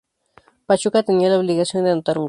Pachuca tenía la obligación de anotar un gol.